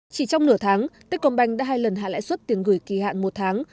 chỉ trong nửa tháng tết công banh đã hai lần hạ lãi suất tiền gửi kỳ hạn một tháng